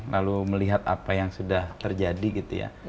lalu melihat apa yang sudah terjadi gitu ya